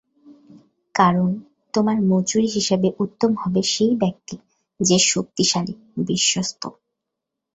কারণ, তোমার মজুর হিসাবে উত্তম হবে সেই ব্যক্তি, যে শক্তিশালী—বিশ্বস্ত।